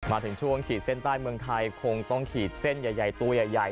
มาถึงช่วงขีดเส้นใต้เมืองไทยคงต้องขีดเส้นใหญ่ตัวใหญ่